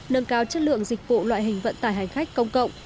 nâng cao chất lượng dịch vụ loại hình vận tải hành khách công cộng